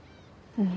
うん。